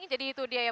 jadi itu dia ya